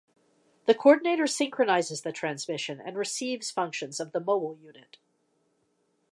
The coordinator synchronizes the transmission and receives functions of the mobile unit.